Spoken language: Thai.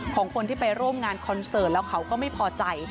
ของคนที่ไปร่วมงานคอนเสิร์ตแล้วเขาก็ไม่พอใจ